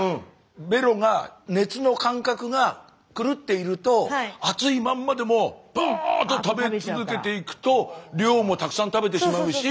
ベロが熱の感覚が狂っていると熱いまんまでもドーッと食べ続けていくと量もたくさん食べてしまうし。